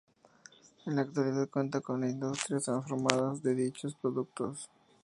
En la actualidad cuenta con industrias transformadoras de dichos productos.